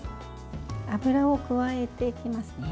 油を加えていきますね。